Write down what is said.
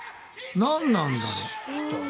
なんなんだろう。